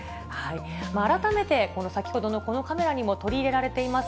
改めて先ほどのこのカメラにも取り入れられています